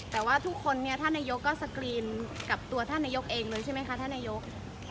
แต่ว่าทุกคนเนี่ยท่านนายกก็สกรีนกับตัวท่านนายกเองเลยใช่ไหมคะท่านนายก